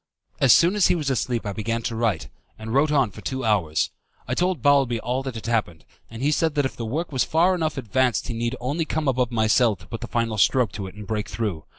As soon as he was asleep I began to write, and wrote on for two hours. I told Balbi all that had happened, and said that if the work was far enough advanced he need only come above my cell to put the final stroke to it and break through.